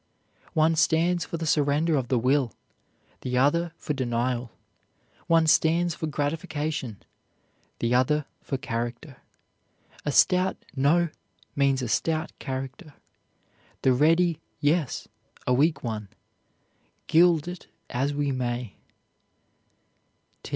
One stands for the surrender of the will, the other for denial; one stands for gratification, the other for character. A stout "no" means a stout character, the ready "yes" a weak one, gild it as we may.